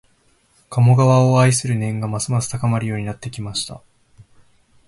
鴨川を愛する念がますます高まるようになってきました